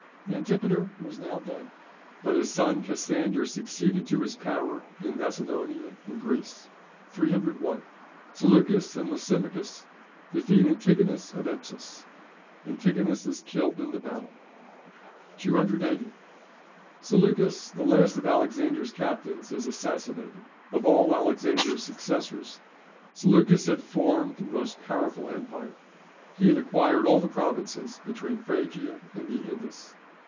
Antipater was now dead, but his son Cassander succeeded to his power in Macedonia and Greece. 301. Seleucus and Lysimachus defeat Antigonus at Ipsus. Antigonus is killed in the battle. 280. Seleucus, the last of Alexander's captains, is assassinated. Of all Alexander's successors, Seleucus had formed the most powerful empire. He had acquired all the provinces between Phrygia and the Indus.